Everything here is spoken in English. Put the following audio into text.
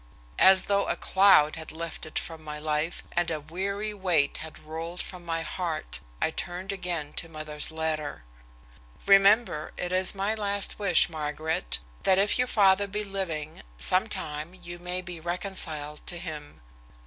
As though a cloud had been lifted, from my life and a weary weight had rolled from my heart, I turned again to mother's letter. "Remember, it is my last wish, Margaret, that if your father be living, sometime you may be reconciled, to him.